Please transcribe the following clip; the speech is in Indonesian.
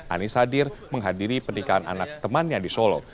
anies hadir menghadiri pernikahan anak temannya di solo